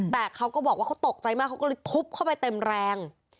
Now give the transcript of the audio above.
แต่เขาก็บอกว่าเขาตกใจมากเขาก็เลยทุบเข้าไปเต็มแรง